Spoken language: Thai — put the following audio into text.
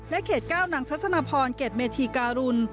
และเขตเก้านางทัศนพรเกตเมธีการุล